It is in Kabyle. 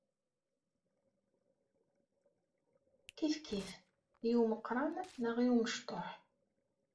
Kifkif, i umeqqran neɣ i umecṭuḥ.